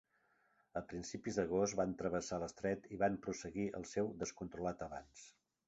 A principi d'agost van travessar l'estret i van prosseguir el seu descontrolat avanç.